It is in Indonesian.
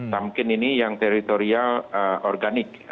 tamkin ini yang teritorial organik